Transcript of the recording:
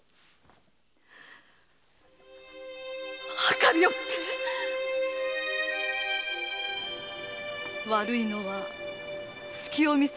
謀りおって悪いのは隙を見せた女ご。